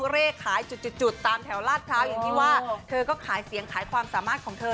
เลขขายจุดจุดตามแถวลาดพร้าวอย่างที่ว่าเธอก็ขายเสียงขายความสามารถของเธอ